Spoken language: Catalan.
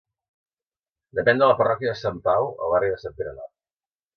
Depèn de la parròquia de Sant Pau, al barri de Sant Pere Nord.